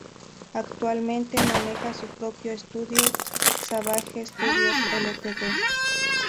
Actualmente maneja su propio estudio, Savage Studios Ltd.